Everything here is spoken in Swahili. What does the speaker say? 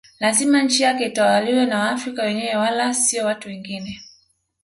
Lazima nchi yake itawaliwe na waafrika wenyewe wala sio watu wengine